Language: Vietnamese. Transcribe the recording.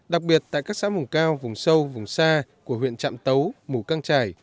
đặc biệt tại các xã mù cao vùng sâu vùng xa của huyện trạm tấu mù căng trải